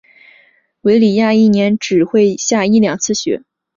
韦里亚一年只会下一两次雪。